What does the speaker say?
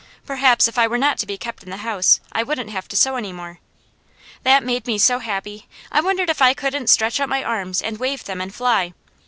Perhaps if I were not to be kept in the house I wouldn't have to sew any more. That made me so happy I wondered if I couldn't stretch out my arms and wave them and fly.